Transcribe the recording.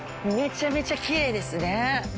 めちゃめちゃきれいですね。